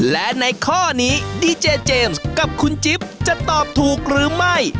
และในข้อนี้ดีเจเจมส์กับคุณจิ๊บจะตอบถูกหรือไม่